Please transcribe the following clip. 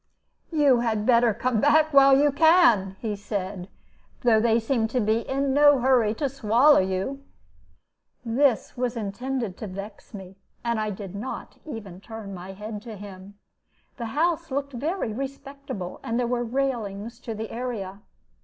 "You had better come back while you can," he said, "though they seem in no hurry to swallow you." This was intended to vex me, and I did not even turn my head to him. The house looked very respectable, and there were railings to the area.